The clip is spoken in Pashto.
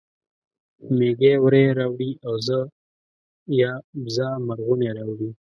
مېږه وری راوړي اوزه یا بزه مرغونی راوړي